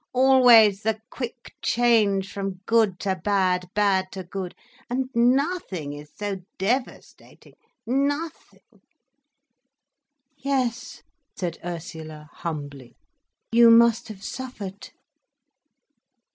Always the quick change from good to bad, bad to good. And nothing is so devastating, nothing—" "Yes," said Ursula humbly, "you must have suffered."